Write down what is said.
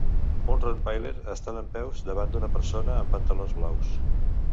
Un rottweiler està dempeus davant d'una persona amb pantalons blaus.